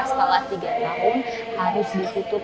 setelah tiga tahun harus ditutup